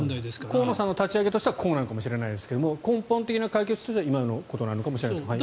河野さんの立ち上げとしてはこうなるかもしれないですが根本的な解決としては今のかもしれませんですが。